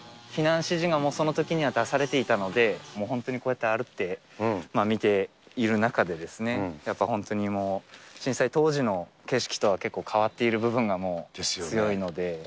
避難指示がもうそのときには出されていたので、もう本当にこうやって歩いて見ている中で、やっぱ本当にもう、震災当時の景色とは結構変わっている部分がもう強いので。